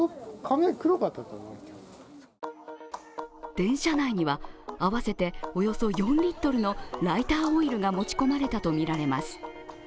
電車内には合わせておよそ４リットルのライターオイルが持ち込まれたとみられます。